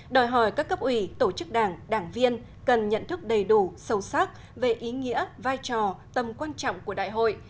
đòi hỏi các cấp ủy tổ chức đảng đảng viên cần nhận thức đầy đủ sâu sắc về ý nghĩa vai trò tầm quan trọng của đại hội